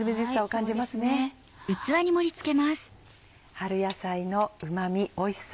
春野菜のうまみおいしさ